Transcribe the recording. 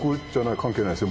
関係ないですよ